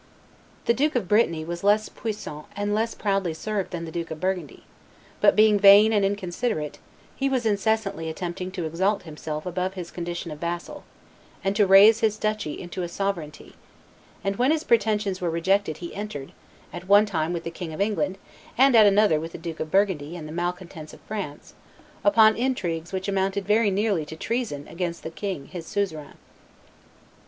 The Duke of Brittany was less puissant and less proudly served than the Duke of Burgundy; but, being vain and inconsiderate, he was incessantly attempting to exalt himself above his condition of vassal, and to raise his duchy into a sovereignty, and when his pretensions were rejected he entered, at one time with the King of England and at another with the Duke of Burgundy and the malcontents of France, upon intrigues which amounted very nearly to treason against the king his suzerain.